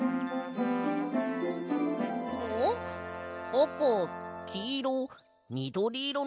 あかきいろみどりいろのけ。